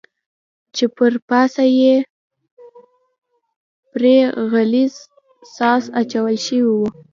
چې پر پاسه یې پرې غلیظ ساس اچول شوی و.